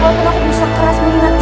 walaupun aku berusaha keras mengingatkan